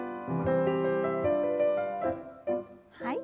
はい。